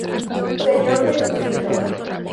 Señor Jesucristo.